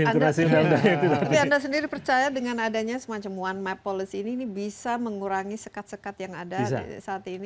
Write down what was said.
tapi anda sendiri percaya dengan adanya semacam one map policy ini bisa mengurangi sekat sekat yang ada saat ini